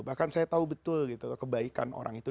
bahkan saya tahu betul gitu loh kebaikan orang itu